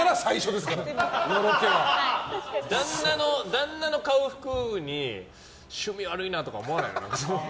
旦那の買う服に趣味悪いなとか思わないの？